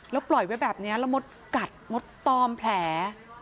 แล้วปล่อยไว้แบบนี้แล้วมดกัดมดตอมแผล